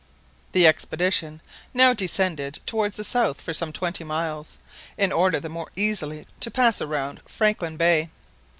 The expedition now descended towards the south for some twenty miles, in order the more easily to pass round Franklin Bay.